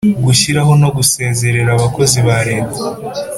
gushyiraho no gusezerera abakozi ba reta